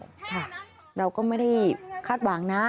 ค่ะเราก็ไม่ได้คาดหวังนะ